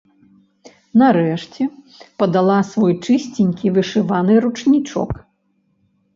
Нарэшце, падала свой чысценькі вышываны ручнічок.